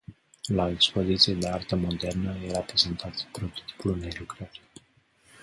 La o expoziție de artă modernă, era prezentat prototipul unei lucrări.